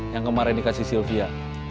yang kemarin dikasih sylvia